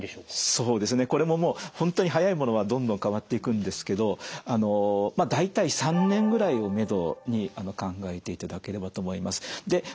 そうですねこれももう本当に早いものはどんどん変わっていくんですけどまあ大体３年ぐらいを目処に考えていただければと思います。